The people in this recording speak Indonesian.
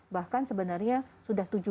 bahkan sebenarnya sudah